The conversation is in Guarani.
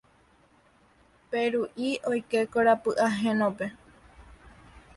Peru'i oike korapy ahénope.